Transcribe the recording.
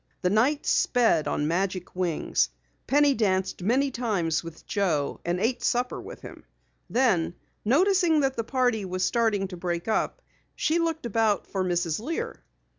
The night sped on magic wings. Penny danced many times with Joe and ate supper with him. Then, noticing that the party was starting to break up, she looked about for Mrs. Lear.